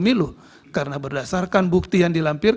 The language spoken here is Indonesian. tiga bahwa berdasarkan hasil pengawasan bawaslu